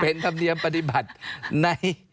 เป็นธรรมเนียมปฏิบัติใน